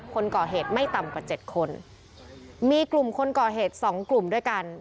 คนก่อเหตุไม่ต่ำกว่าเจ็ดคนมีกลุ่มคนก่อเหตุสองกลุ่มด้วยกัน